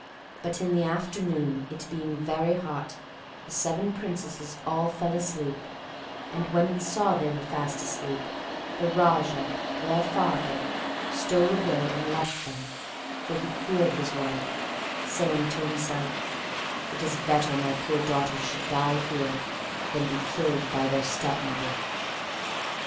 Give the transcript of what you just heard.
But in the afternoon, it being very hot, the seven Princesses all fell asleep, and when he saw they were fast asleep, the Raja, their father, stole away and left them (for he feared his wife), saying to himself: "It is better my poor daughters should die here, than be killed by their stepmother."